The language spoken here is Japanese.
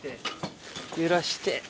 揺らして。